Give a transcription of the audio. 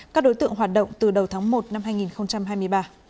các đối tượng hoạt động từ đầu tháng một năm hai nghìn hai mươi ba